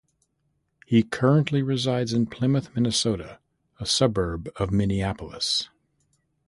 He currently resides in Plymouth, Minnesota, a suburb of Minneapolis.